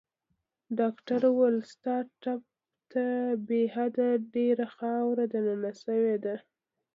ډاکټر وویل: ستا ټپ ته بې حده ډېره خاوره دننه شوې ده.